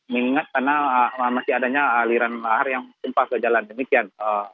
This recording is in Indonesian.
mengingat karena masih adanya aliran lahar yang tumpah ke jalan demikian